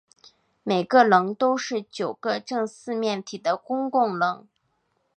每个棱都是九个正四面体的公共棱。